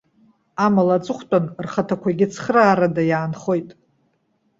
Амала, аҵыхәтәан рхаҭақәгьы цхыраарада иаанхоит.